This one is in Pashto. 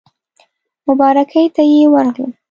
مبارکۍ ته یې ورغلم.